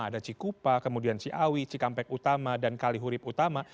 ada cikupa kemudian ciawi cikampek utama dan kalihurib utama